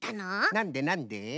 なんでなんで？